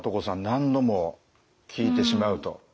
何度も聞いてしまうと。